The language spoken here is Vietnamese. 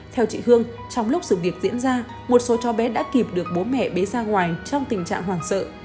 theo chị hương trong lúc sự việc diễn ra một số cháu bé đã kịp được bố mẹ bế ra ngoài trong tình trạng hoảng sợ